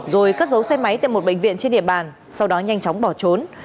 rồi cất dấu xe máy tại một bệnh viện trên địa bàn sau đó nhanh chóng bỏ trốn